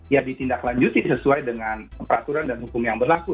ya ditindaklanjuti sesuai dengan peraturan dan hukum yang berlaku